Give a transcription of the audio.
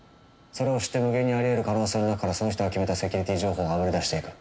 それを知って無限にあり得る可能性の中からその人が決めたセキュリティー情報をあぶり出していく。